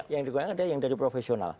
yang dikurangkan ada yang dari profesional